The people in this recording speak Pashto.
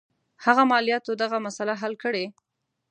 هغه مالیاتو دغه مسله حل کړي.